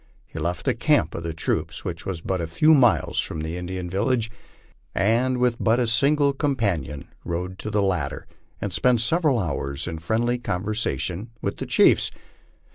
He left the camp of the troops, which was but a few miles from the Indian village, and with but a single companion rode to the latter, and spent several hours in friendly conversation with the chiefs.